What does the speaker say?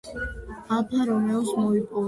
ალფა რომეოს მოპოვებას ფორდი და ფიატი ცდილობდნენ.